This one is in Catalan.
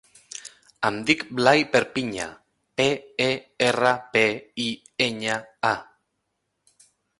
Em dic Blai Perpiña: pe, e, erra, pe, i, enya, a.